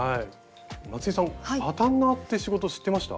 松井さんパタンナーって仕事知ってました？